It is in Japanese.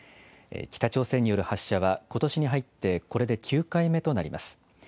北朝鮮による発射は、ことしに入って、これで９回目となります。